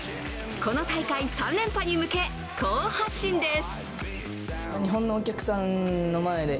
この大会３連覇に向け、好発進です。